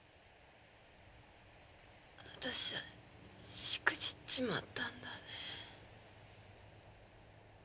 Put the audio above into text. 私はしくじっちまったんだね。